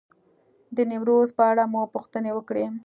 د نیمروز په اړه مو پوښتنې وکړې.